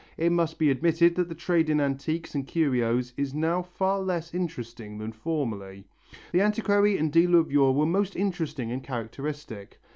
It must be admitted that the trade in antiques and curios is now far less interesting than formerly. The antiquary and dealer of yore were most interesting and characteristic.